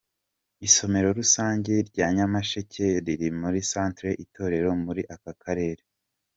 Isomero rusange rya Nyamasheke riri muri Centre Itorero muri aka karere.